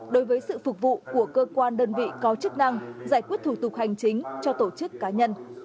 đối với sự phục vụ của cơ quan đơn vị có chức năng giải quyết thủ tục hành chính cho tổ chức cá nhân